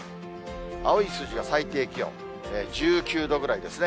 青い数字は最低気温、１９度ぐらいですね。